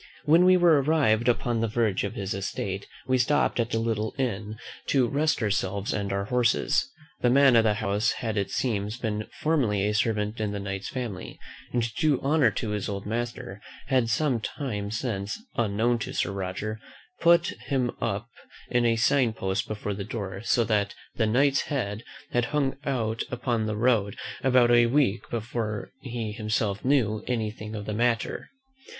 When we were arrived upon the verge of his estate, we stopped at a little inn to rest ourselves and our horses. The man of the house had it seems been formerly a servant in the Knight's family; and to do honour to his old master, had some time since, unknown to Sir Roger, put him up in a sign post before the door; so that THE KNIGHT'S HEAD had hung out upon the road about a week before he himself knew any thing of the matter.